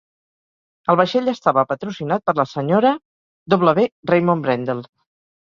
El vaixell estava patrocinat per la Sra. W. Raymond Brendel.